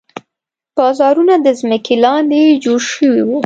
بازارونه د ځمکې لاندې جوړ شوي وو.